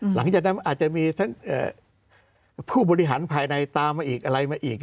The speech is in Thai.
หลังจากนั้นอาจจะมีทั้งผู้บริหารภายในตามมาอีกอะไรมาอีก